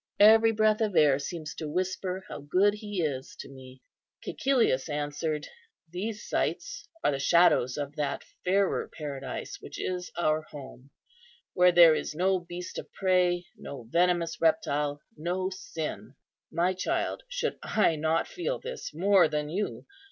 Every breath of air seems to whisper how good He is to me." Cæcilius answered, "These sights are the shadows of that fairer Paradise which is our home, where there is no beast of prey, no venomous reptile, no sin. My child, should I not feel this more than you?